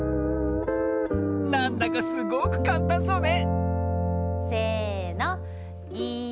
なんだかすごくかんたんそうねせの。